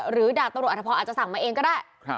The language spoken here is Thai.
ดาบตำรวจอธพรอาจจะสั่งมาเองก็ได้